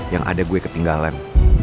yang ada gue ketinggalan